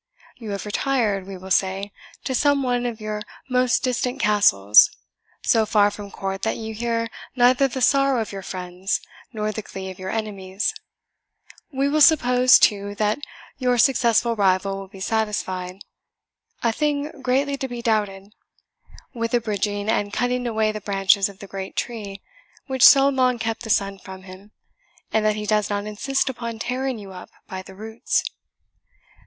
You have retired, we will say, to some one of your most distant castles, so far from court that you hear neither the sorrow of your friends nor the glee of your enemies, We will suppose, too, that your successful rival will be satisfied (a thing greatly to be doubted) with abridging and cutting away the branches of the great tree which so long kept the sun from him, and that he does not insist upon tearing you up by the roots.